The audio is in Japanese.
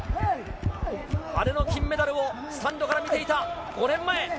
姉の金メダルをスタンドから見ていた５年前。